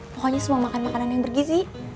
pokoknya semua makan makanan yang bergizi